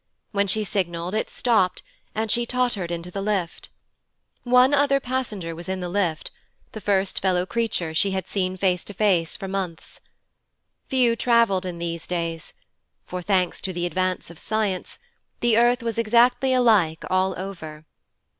When she signalled, it stopped, and she tottered into the lift. One other passenger was in the lift, the first fellow creature she had seen face to face for months. Few travelled in these days, for, thanks to the advance of science, the earth was exactly alike all over.